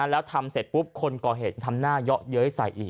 แล้วทำเสร็จปุ๊บคนก่อเหตุทำหน้าเยาะเย้ยใส่อีก